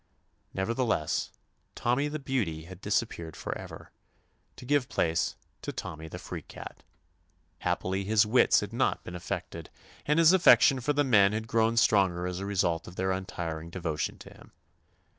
Neverthe less, Tommy the beauty had dis appeared forever, to give place to Tommy the freak cat. Happily, his wits had not been affected, and his affection for the men had grown stronger as a result of their untiring devotion to him.